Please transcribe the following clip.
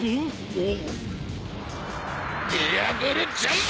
オ？ディアブルジャンブ！